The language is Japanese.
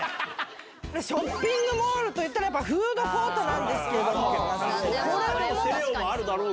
ショッピングモールといったら、やっぱりフードコートなんですけど、これはもう。